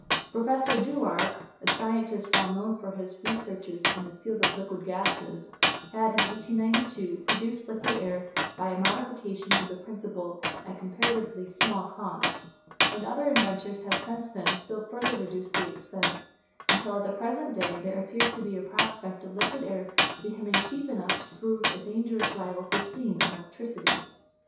Professor Dewar a scientist well known for his researches in the field of liquid gases had in 1892 produced liquid air by a modification of the principle at comparatively small cost; and other inventors have since then still further reduced the expense, until at the present day there appears to be a prospect of liquid air becoming cheap enough to prove a dangerous rival to steam and electricity.